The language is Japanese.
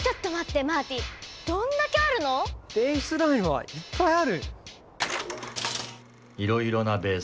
ベースラインはいっぱいある！